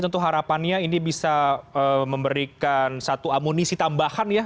tentu harapannya ini bisa memberikan satu amunisi tambahan ya